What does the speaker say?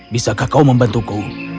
bisakah kau membantuku